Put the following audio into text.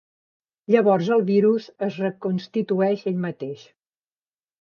Llavors el virus es reconstrueix ell mateix.